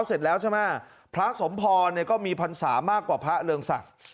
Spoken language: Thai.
เสร็จแล้วใช่ไหมพระสมพรเนี่ยก็มีพรรษามากกว่าพระเรืองศักดิ์